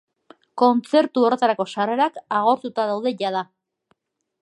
Kontzertu horretarako sarrerak agortuta daude jada.